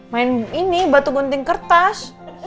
main ini batu gunting kertas